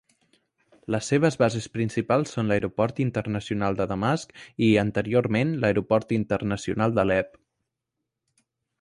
Les seves bases principals són l'aeroport internacional de Damasc i, anteriorment, l'aeroport internacional d'Alep.